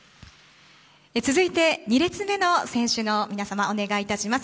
続いて、２列目の選手の皆様お願いいたします。